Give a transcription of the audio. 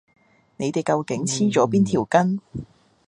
你哋究竟黐咗邊條筋？